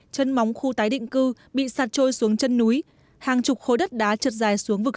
chân móng khu tái định cư bị sạt trôi xuống chân núi hàng chục khối đất đá chật dài xuống vực